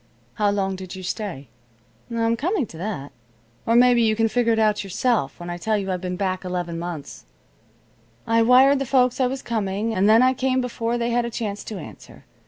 "How long did you stay?" "I'm coming to that. Or maybe you can figure it out yourself when I tell you I've been back eleven months. I wired the folks I was coming, and then I came before they had a chance to answer.